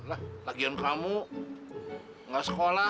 lagian kamu nggak sekolah